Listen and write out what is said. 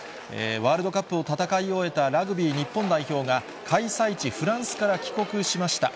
ワールドカップを戦い終えたラグビー日本代表が、開催地、フランスから帰国しました。